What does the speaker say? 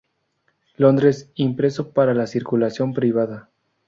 Londres: Impreso para la circulación privada.